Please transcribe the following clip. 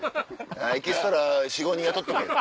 「エキストラ４５人雇っとけ。